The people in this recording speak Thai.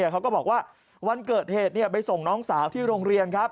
เขาก็บอกว่าวันเกิดเหตุไปส่งน้องสาวที่โรงเรียนครับ